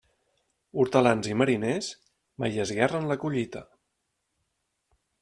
Hortolans i mariners, mai esguerren la collita.